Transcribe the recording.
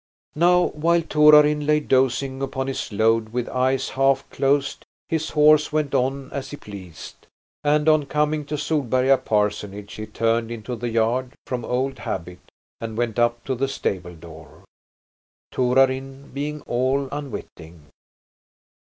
Now while Torarin lay dozing upon his load with eyes half closed, his horse went on as he pleased, and on coming to Solberga parsonage he turned into the yard from old habit and went up to the stable door, Torarin being all unwitting.